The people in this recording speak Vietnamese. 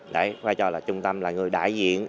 đấy vai trò là trung tâm là người đại diện